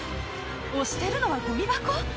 押してるのはゴミ箱？